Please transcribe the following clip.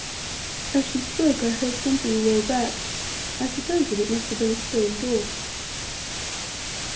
As she spoke I heard something roll back; I suppose that it must have been a stone door.